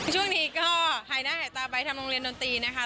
ช่วงนี้ก็หายหน้าหายตาไปทำโรงเรียนดนตรีนะคะ